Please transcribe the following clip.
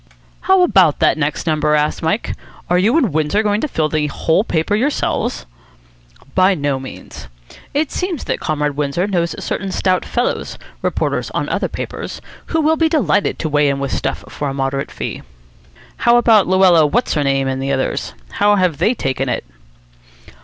"How about that next number?" asked Mike. "Are you and Windsor going to fill the whole paper yourselves?" "By no means. It seems that Comrade Windsor knows certain stout fellows, reporters on other papers, who will be delighted to weigh in with stuff for a moderate fee." "How about Luella What's her name and the others? How have they taken it?"